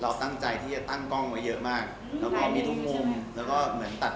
เห็นตัวอย่างหนังหนังสั้นใช่หม่อค่ะครับดูค่อนข้างแบบล่ะว่าวันสุดท้าย